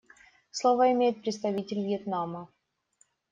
Слово имеет представитель Вьетнама.